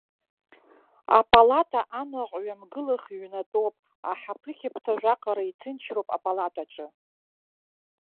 Апалата анаҟә ҩамгылах ҩнатәоуп, ахаԥы қьаԥҭажә аҟара иҭынчроуп апалатаҿы.